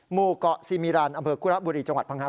หมู่เกาะซีมิรันอำเภอคุระบุรีจังหวัดพังงา